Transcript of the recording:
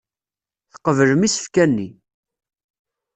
Tqeblem isefka-nni.